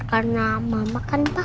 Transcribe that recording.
karena mama kan pak